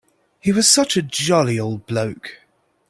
He was such a jolly old bloke.